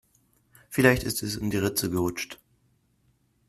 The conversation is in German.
Vielleicht ist es in die Ritze gerutscht.